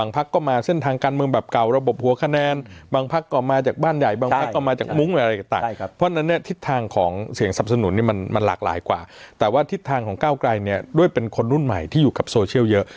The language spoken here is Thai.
เพราะว่าทิศทางของก้าวไกลเนี่ยด้วยเป็นคนรุ่นใหม่ที่อยู่กับโซเชียลเยอะ